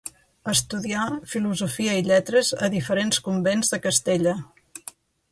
Estudià filosofia i lletres a diferents convents de Castella.